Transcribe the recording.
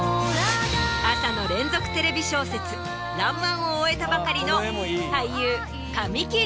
朝の連続テレビ小説『らんまん』を終えたばかりの。